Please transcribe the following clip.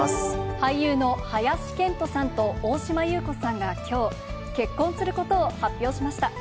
俳優の林遣都さんと大島優子さんがきょう、結婚することを発表しました。